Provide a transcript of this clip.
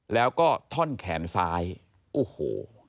แล้วก็ท่อนแขนซ้ายโอ้โห